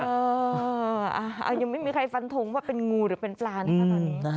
ยังไม่มีใครฟันทงว่าเป็นงูหรือเป็นปลานะคะตอนนี้